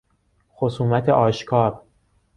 خصومت آشکار